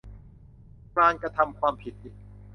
การกระทำความผิดอีก